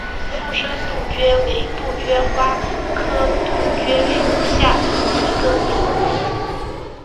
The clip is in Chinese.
附生杜鹃为杜鹃花科杜鹃属下的一个种。